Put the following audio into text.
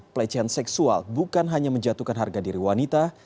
pelecehan seksual bukan hanya menjatuhkan harga diri wanita